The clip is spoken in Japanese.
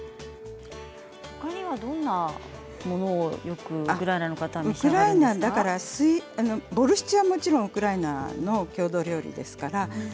ほかにはどんなものをウクライナの方はボルシチはもちろんウクライナの郷土料理ですね